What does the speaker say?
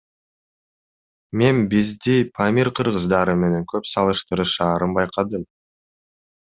Мен бизди Памир кыргыздары менен көп салыштырышаарын байкадым.